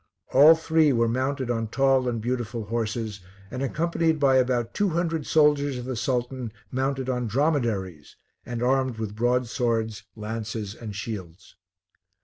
All three were mounted on tall and beautiful horses, and accompanied by about two hundred soldiers of the Sultan, mounted on dromedaries, and armed with broadswords, lances and shields.